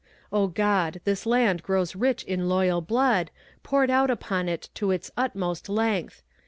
O God! this land grows rich in loyal blood Poured out upon it to its utmost length!